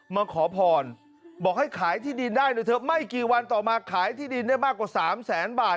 มาขอพรบอกให้ขายที่ดินได้หน่อยเถอะไม่กี่วันต่อมาขายที่ดินได้มากกว่า๓แสนบาท